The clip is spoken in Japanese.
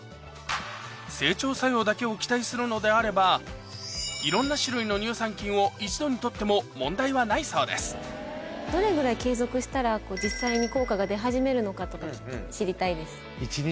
整腸作用だけを期待するのであればいろんな種類の乳酸菌を一度にとっても問題はないそうですどれぐらい継続したら実際に効果が出始めるのかとか知りたいです。